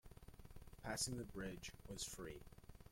Passing the bridge was free.